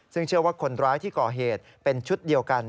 ซึ่งเชื่อว่าคนร้ายที่ก่อเหตุเป็นชุดเดียวกัน